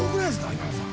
今田さん。